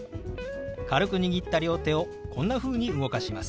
軽く握った両手をこんなふうに動かします。